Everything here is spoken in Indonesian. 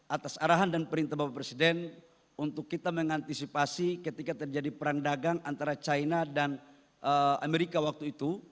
atas arahan dan perintah bapak presiden untuk kita mengantisipasi ketika terjadi perang dagang antara china dan amerika waktu itu